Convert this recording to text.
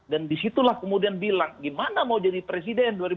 dan disitulah kemudian bilang gimana mau jadi presiden dua ribu dua puluh empat